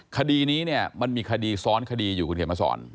คดีนี้เนี่ยมันมีคดีซ้อนคดีอยู่คุณเขียนมาสอน